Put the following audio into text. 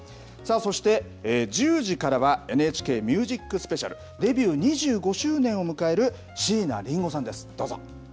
そして１０時からはＮＨＫＭＵＳＩＣＳＰＥＣＩＡＬデビュー２５周年を迎える椎名林檎さんです。